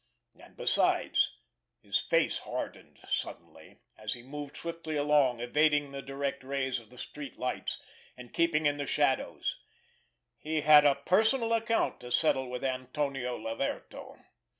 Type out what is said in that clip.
And besides—his face hardened suddenly, as he moved swiftly along, evading the direct rays of the street lights, and keeping in the shadows—he had a personal account to settle with Antonio Laverto.